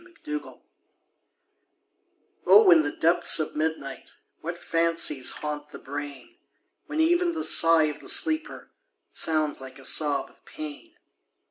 IN THE DARK O In the depths of midnight What fancies haunt the brain! When even the sigh of the sleeper Sounds like a sob of pain.